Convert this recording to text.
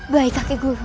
baik kakek guru